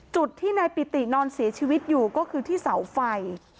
จุดที่นายปิตินอนเสียชีวิตอยู่ก็คือที่เสาไฟ